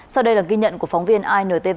sau đây là ghi nhận của phóng viên intv